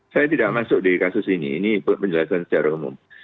saya tidak masuk di kasus ini ini penjelasan secara umum